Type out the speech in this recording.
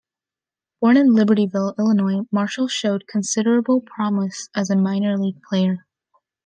Born in Libertyville, Illinois, Marshall showed considerable promise as a minor league player.